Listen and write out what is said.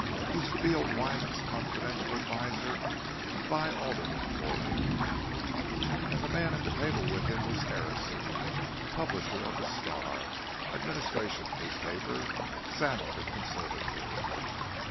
Used to be old Wyman's confidential adviser and buy aldermen for him.—And the man at table with him was Harrison, publisher of the Star; administration newspaper, sound and conservative.